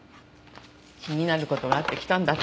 気になる事があって来たんだった。